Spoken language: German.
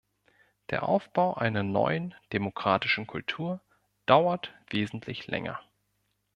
Der Aufbau einer neuen demokratischen Kultur dauert wesentlich länger.